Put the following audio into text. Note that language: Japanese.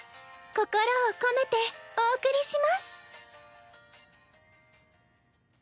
心を込めてお送りします。